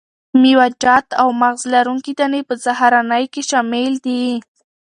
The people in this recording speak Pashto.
میوه جات او مغذ لرونکي دانې په سهارنۍ کې شامل دي.